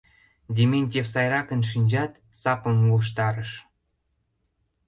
Дементьев сайракын шинчат, сапым луштарыш.